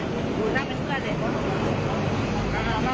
ที่มันไม่ไกลนะช่ากลับ